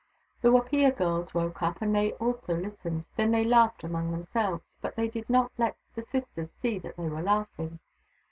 The Wapiya girls woke up, and they also listened. Then they laughed among themselves, but they did not let the sisters see that they were laughing.